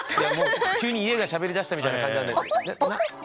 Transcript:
急に家がしゃべりだしたみたいな感じなんだけど。